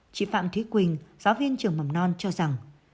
chị phạm thúy quỳnh giáo viên trường mầm non cho rằng